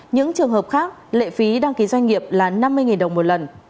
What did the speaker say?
những trường hợp khác lệ phí đăng ký doanh nghiệp là năm mươi đồng một lần